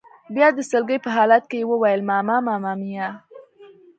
بیا د سلګۍ په حالت کې یې وویل: ماما ماما میا.